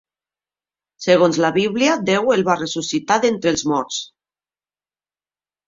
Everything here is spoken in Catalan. Segons la Bíblia, Déu el va ressuscitar d'entre els morts.